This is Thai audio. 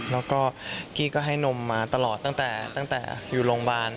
แล้วก็กี้ก็ให้นมมาตลอดตั้งแต่อยู่โรงพยาบาล